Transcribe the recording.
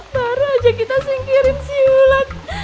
baru aja kita singkirin si ulan